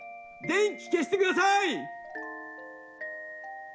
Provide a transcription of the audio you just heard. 電気消してください！